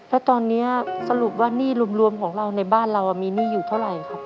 แล้วตอนนี้สรุปว่าหนี้รวมของเราในบ้านเรามีหนี้อยู่เท่าไหร่ครับ